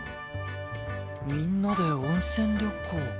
みんなで温泉旅行か。